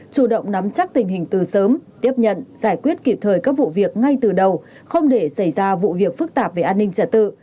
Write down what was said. chủ động nắm chắc tình hình từ sớm tiếp nhận giải quyết kịp thời các vụ việc ngay từ đầu không để xảy ra vụ việc phức tạp về an ninh trả tự